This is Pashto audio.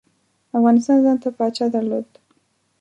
افغانستان ځانته پاچا درلود.